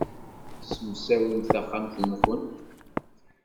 Ssemsawimt taxxamt-nwent.